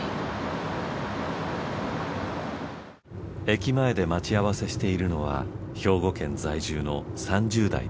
駅前で待ち合わせしているのは兵庫県在住の３０代男性。